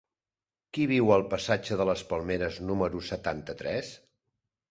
Qui viu al passatge de les Palmeres número setanta-tres?